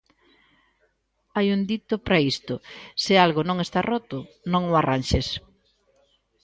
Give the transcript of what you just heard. Hai un dito para isto: se algo non está roto, non o arranxes.